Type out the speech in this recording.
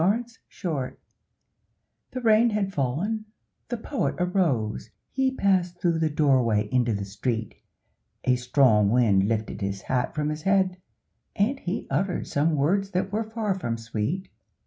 THE POET'S HAT The rain had fallen, the Poet arose, He passed through the doorway into the street, A strong wind lifted his hat from his head, And he uttered some words that were far from sweet.